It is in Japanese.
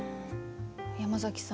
山崎さん